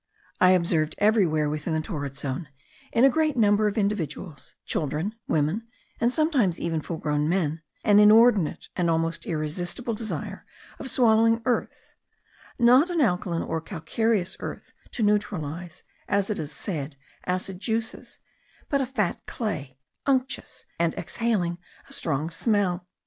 I observed everywhere within the torrid zone, in a great number of individuals, children, women, and sometimes even full grown men, an inordinate and almost irresistible desire of swallowing earth; not an alkaline or calcareous earth to neutralize (as it is said) acid juices, but a fat clay, unctuous, and exhaling a strong smell.